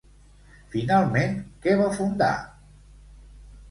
Finalment, què va fundar?